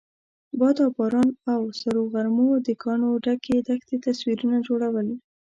باد او باران او سرو غرمو د کاڼو ډکې دښتې تصویرونه جوړول.